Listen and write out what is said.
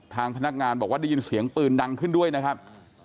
ทางพนักงานบอกว่าได้ยินเสียงปืนดังขึ้นด้วยนะครับ